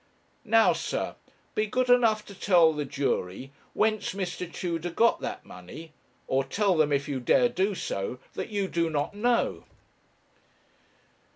Now, sir, be good enough to tell the jury, whence Mr. Tudor got that money; or tell them, if you dare do so, that you do not know.'